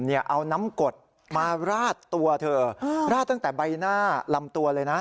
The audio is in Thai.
เอาน้ำกดมาราดตัวเธอราดตั้งแต่ใบหน้าลำตัวเลยนะ